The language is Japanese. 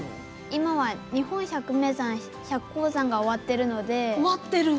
今は日本百名山百高山が終わってるので。